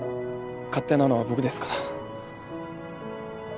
勝手なのは僕ですから。